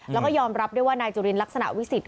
แล้วก็ยอมรับด้วยว่านายจุลินลักษณะวิสิทธ